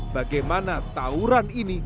bagaimana tawuran ini